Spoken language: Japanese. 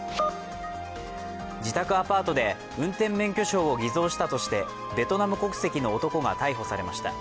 自宅アパートで運転免許証を偽造したとしてベトナム国籍の男が逮捕されました。